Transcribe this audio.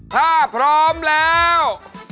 ถ้าพร้อมแล้ว